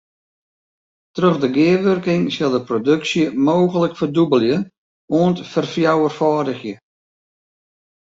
Troch de gearwurking sil de produksje mooglik ferdûbelje oant ferfjouwerfâldigje.